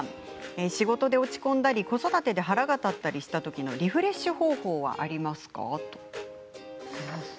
仕事で落ち込んだり子育てで腹が立ったりした時のリフレッシュ方法はありますか。